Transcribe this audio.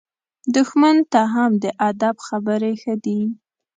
دښمن ته هم د ادب خبرې ښه دي.